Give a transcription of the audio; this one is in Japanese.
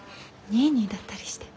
ニーニーだったりして。